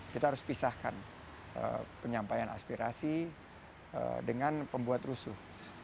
kita harus pisahkan penyampaian aspirasi dengan pembuat rusuh